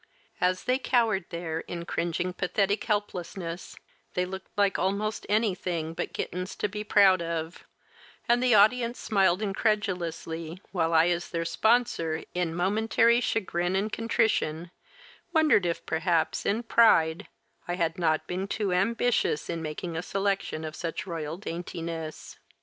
As they cowered there in cringing, pathetic helplessness, they looked like almost anything but kittens to be proud of, and the audience smiled incredulously, while I as their sponsor in momentary chagrin and contrition, wondered if, perhaps, in pride, I had not been too ambitious in making a selection of such royal daintiness.